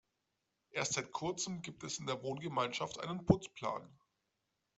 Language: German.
Erst seit kurzem gibt es in der Wohngemeinschaft einen Putzplan.